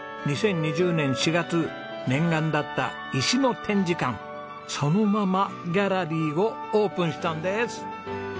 ２０２０年４月念願だった石の展示館そのままギャラリーをオープンしたんです。